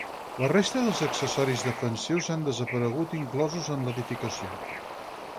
La resta dels accessoris defensius han desaparegut inclosos en l'edificació.